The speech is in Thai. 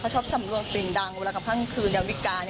เขาชอบสำรวจเสียงดังเวลาคำค่างคืนยังวิกการ